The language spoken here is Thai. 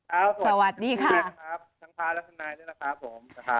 ค่ะสวัสดีค่ะ